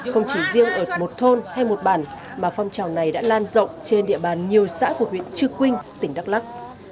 không chỉ riêng ở một thôn hay một bản mà phong trào này đã lan rộng trên địa bàn nhiều xã của huyện trư quynh tỉnh đắk lắc